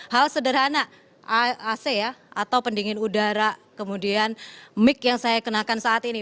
hal sederhana ac ya atau pendingin udara kemudian mic yang saya kenakan saat ini